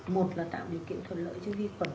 một là tạo điều kiện thuận lợi cho vi khuẩn